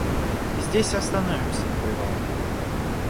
Здесь и остановимся на привал.